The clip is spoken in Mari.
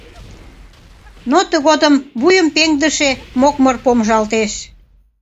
Но тыгодым вуйым пеҥдыше мокмыр помыжалтеш.